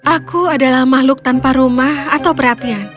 aku adalah makhluk tanpa rumah atau perapian